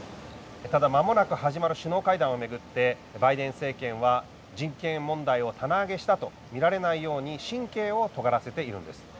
ただ、まもなく始まる首脳会談を巡ってバイデン政権は人権問題を棚上げしたと見られないように神経をとがらせているんです。